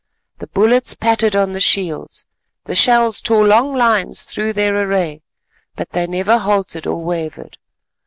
The bullets pattered on the shields, the shells tore long lines through their array, but they never halted or wavered.